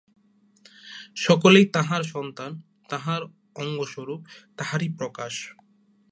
সকলেই তাঁহার সন্তান, তাঁহার অঙ্গস্বরূপ, তাঁহারই প্রকাশ।